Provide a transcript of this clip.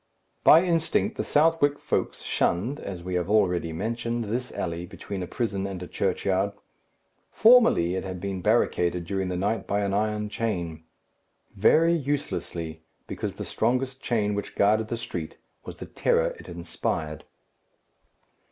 By instinct the Southwark folks shunned, as we have already mentioned, this alley between a prison and a churchyard. Formerly it had been barricaded during the night by an iron chain. Very uselessly; because the strongest chain which guarded the street was the terror it inspired.